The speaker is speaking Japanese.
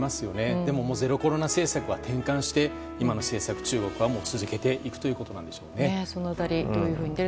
でも、ゼロコロナ政策は転換して今の政策を中国は続けていくということなんでしょうね。